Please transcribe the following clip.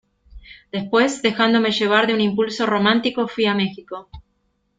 después, dejándome llevar de un impulso romántico , fuí a México.